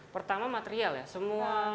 pertama material ya